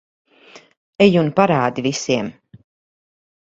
Ej un parādi visiem.